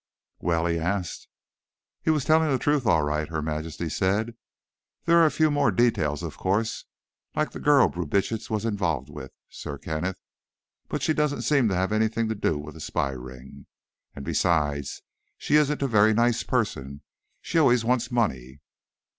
"Well?" he asked. "He was telling the truth, all right," Her Majesty said. "There are a few more details, of course, like the girl Brubitsch was involved with, Sir Kenneth. But she doesn't seem to have anything to do with the spy ring, and besides, she isn't a very nice person. She always wants money."